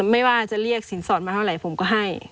ไม่ว่าจะเรียกสินสอดมาเท่าไหร่ผมก็ให้